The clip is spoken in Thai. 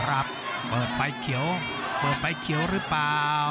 ครับเปิดไฟเขียวเปิดไฟเขียวหรือเปล่า